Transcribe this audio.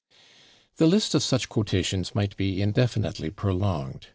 " The list of such quotations might be indefinitely prolonged.